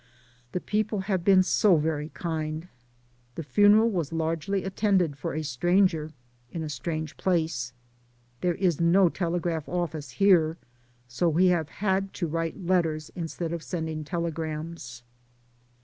The people have been so very kind. The funeral was largely attended for a stanger in a strange place. There is no tele graph office here, so we have had to write letters instead of sending telegrams.